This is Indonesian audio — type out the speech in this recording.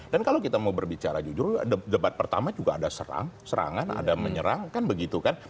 dan kalau kita mau berbicara jujur debat pertama juga ada serang serangan ada menyerang kan begitu kan